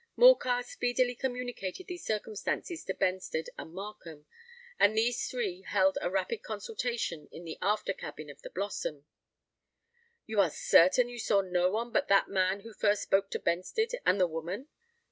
Morcar speedily communicated these circumstances to Benstead and Markham; and these three held a rapid consultation in the after cabin of the Blossom. "You are certain you saw no one but that man who first spoke to Benstead, and the woman?"